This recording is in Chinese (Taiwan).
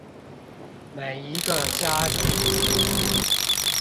每一個家庭